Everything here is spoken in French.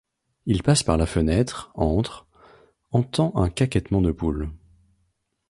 Il passe par la fenêtre, entre, entend un caquètement de poule.